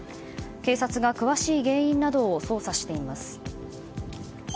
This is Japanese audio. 警察が詳しい原因などを捜査しています。